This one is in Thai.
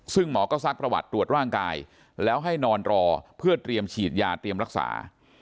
ซึ่งหมอก็ซักประวัติตรวจร่างกายแล้วให้นอนรอเพื่อเตรียมฉีดยาเตรียมรักษา